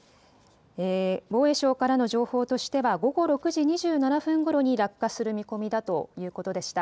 防衛省からの情報としては午後６時２７分ごろに落下する見込みだということでした。